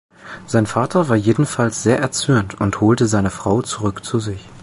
Sein Vater war jedenfalls sehr erzürnt und holte seine Frau zurück zu sich.